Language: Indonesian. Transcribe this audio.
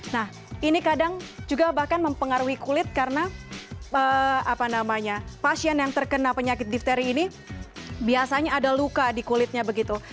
nah ini kadang juga bahkan mempengaruhi kulit karena pasien yang terkena penyakit difteri ini biasanya ada luka di kulitnya begitu